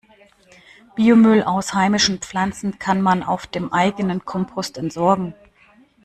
Biomüll aus heimischen Pflanzen kann man auf dem eigenen Kompost entsorgen.